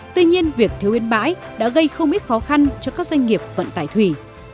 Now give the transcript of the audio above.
tuy nhiên việc thiếu biến bãi đã gây không ít khó khăn cho các doanh nghiệp vận tải thủy